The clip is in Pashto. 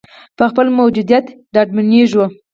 په خپل موجودیت ډاډمنېږو.